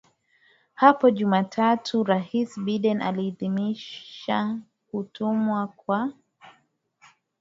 Hapo Jumatatu Rais Biden aliidhinisha kutumwa kwa